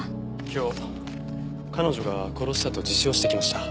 今日彼女が殺したと自首をしてきました。